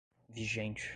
vigente